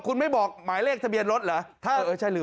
คุณไม่บอกหมายเลขทะเบียนรถเหรอ